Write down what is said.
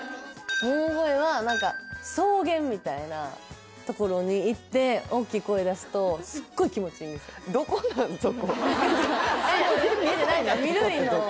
大声は何か草原みたいなところに行って大きい声出すとすっごい気持ちいいんです「草原みたいなとこ」ってどこ？